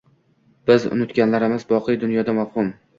Biz unutganlarimiz boqiy dunyoda mavhum.